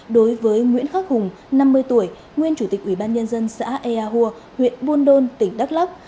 đối với nguyễn khắc hùng năm mươi tuổi nguyên chủ tịch ủy ban nhân dân xã ea hùa huyện buôn đôn tỉnh đắk lắc